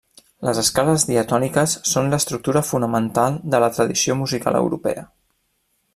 Les escales diatòniques són l'estructura fonamental de la tradició musical europea.